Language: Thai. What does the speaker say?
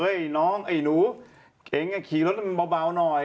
เฮ้ยน้องไอหนูเองก็ขี่รถมันเบาหน่อย